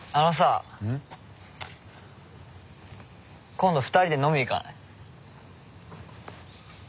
今度２人で飲み行かない？